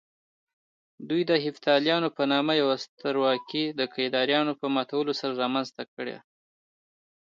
دوی د هېپتاليانو په نامه يوه سترواکي د کيداريانو په ماتولو سره رامنځته کړه